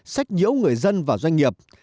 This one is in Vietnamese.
sách nhiễu người dân và doanh nghiệp